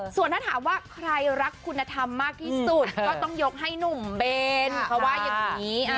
ส่วนถ้าถามว่าใครรักคุณธรรมมากที่สุดก็ต้องยกให้หนุ่มเบนเขาว่าอย่างนี้